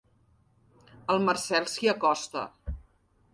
El Marcel s'hi acosta.